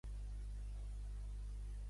El senador Jeff Merkley.